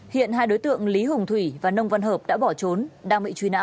hiện hai đối tượng lý hùng thủy và nông văn hợp đã bỏ trốn đang bị truy nã